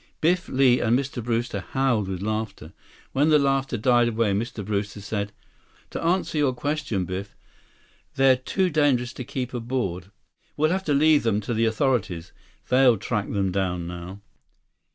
Biff, Li, and Mr. Brewster howled with laughter. When the laughter died away, Mr. Brewster said, "To answer your question, Biff. They're too dangerous to keep aboard. We'll have to leave them to the authorities. They'll track them down, now."